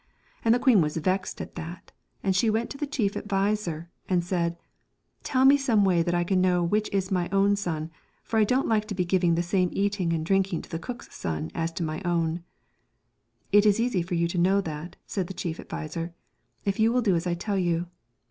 And the queen was vexed at that, and she went to the chief adviser and said, ' Tell me some way that I can know which is my own son, for I don't like to be giving the same eating and drinking to the cook's son as to my own.' ' It is easy to know that,' said the chief adviser, ' if you will do as I tell you.